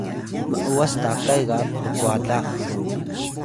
m’was takay ga ppwalax